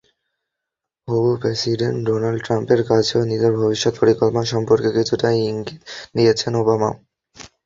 হবু president Donald ট্রাম্পের কাছেও নিজের ভবিষ্যৎ পরিকল্পনা সম্পর্কে কিছুটা ইঙ্গিত দিয়েছেন ওবামা।